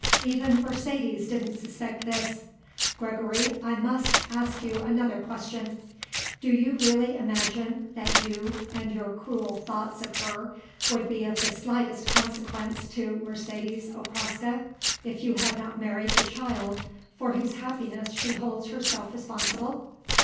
Even Mercedes didn't suspect this. Gregory, I must ask you another question: Do you really imagine that you and your cruel thoughts of her would be of the slightest consequence to Mercedes Okraska, if you had not married the child for whose happiness she holds herself responsible?"